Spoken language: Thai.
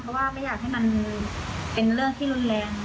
เพราะว่าไม่อยากให้มันเป็นเรื่องที่รุนแรง